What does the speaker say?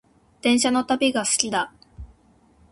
電車の旅が好きだ